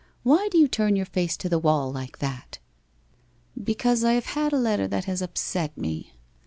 Why do you turn your face to the wall like that?' ( Because I have had a letter that has upset me.